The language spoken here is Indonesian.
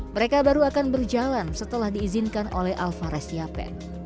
mereka baru akan berjalan setelah diizinkan oleh alvarez yapen